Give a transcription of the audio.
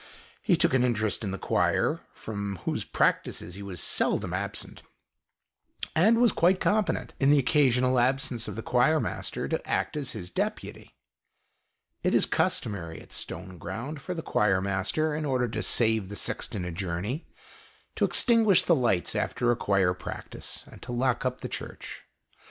He took an interest in the choir, from whose practices he was seldom absent; and was quite competent, in the occasional absence of the choirmaster, to act as his deputy. It is customary at Stone ground for the choirmaster, in order to save the sexton a journey, to extinguish the lights after a choir practice and to lock up the Church.